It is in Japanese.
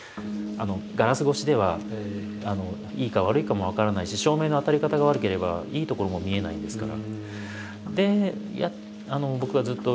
ガラス越しではいいか悪いかも分からないし照明の当たり方が悪ければいいところも見えないですから。